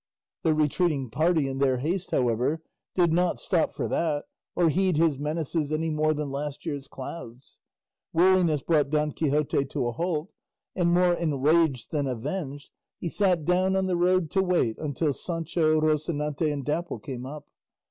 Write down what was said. '" The retreating party in their haste, however, did not stop for that, or heed his menaces any more than last year's clouds. Weariness brought Don Quixote to a halt, and more enraged than avenged he sat down on the road to wait until Sancho, Rocinante and Dapple came up.